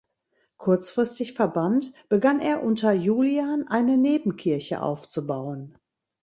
Kurzfristig verbannt, begann er unter Julian eine Nebenkirche aufzubauen.